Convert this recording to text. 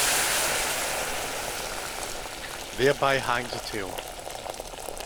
Thereby hangs a tale